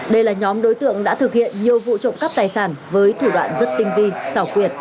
đây là nhóm đối tượng đã thực hiện nhiều vụ trộm cắp tài sản với thủ đoạn rất tinh vi xảo quyệt